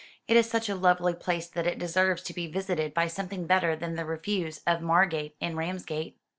"It is such a lovely place that it deserves to be visited by something better than the refuse of Margate and Ramsgate."